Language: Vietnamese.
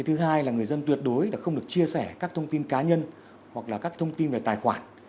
thứ hai là người dân tuyệt đối không được chia sẻ các thông tin cá nhân hoặc là các thông tin về tài khoản